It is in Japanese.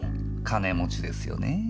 金持ちですよねぇ。